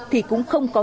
thì cũng không có